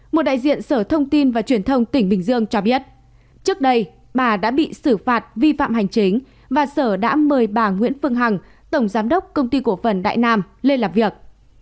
một đại diện sở thông tin và truyền thông tỉnh bình dương cho biết trước đây bà đã bị xử phạt vi phạm hành chính và sở đã mời bà nguyễn phương hằng tổng giám đốc công ty cổ phần đại nam lên làm việc